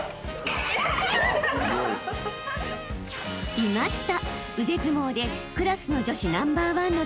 ［いました］